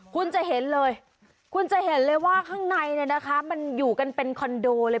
คุณจะเห็นเลยคุณจะเห็นเลยว่าข้างในเนี่ยนะคะมันอยู่กันเป็นคอนโดเลย